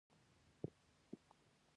آیا له وخت مخکې لو کول دانې ته زیان رسوي؟